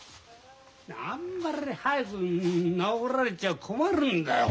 あんまり早く治られちゃ困るんだよ。